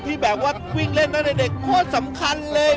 ที่แบบว่าวิ่งเล่นตั้งแต่เด็กโคตรสำคัญเลย